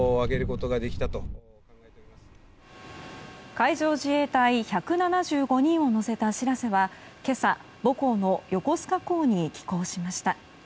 海上自衛隊１７５人を乗せた「しらせ」は今朝、母港の横須賀港に帰港しました。